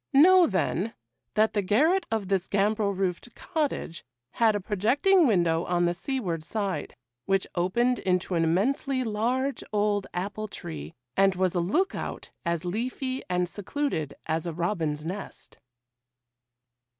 Know, then, that the garret of this gambrel roofed cottage had a projecting window on the seaward side, which opened into an immensely large old apple tree, and was a look out as leafy and secluded as a robin's nest.